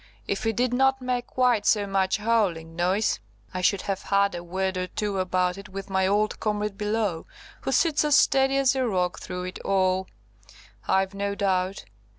If it did not make quite so much howling noise, I should have had a word or two about it with my old comrade below, who sits as steady as a rock through it all, I've no doubt.